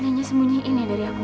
adanya sembunyiin ya dari aku